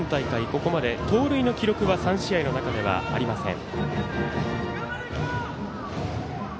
ここまで盗塁の記録は３試合の中ではありません。